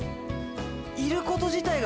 いること自体が